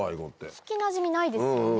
聞きなじみないですよね。